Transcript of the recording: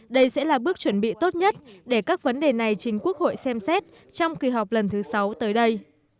đây sẽ là bước chuẩn bị tốt nhất để các vấn đề này chính quốc hội xem xét trong kỳ họp lần thứ sáu tới đây